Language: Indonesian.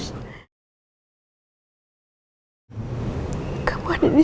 saja t gw tak buatmu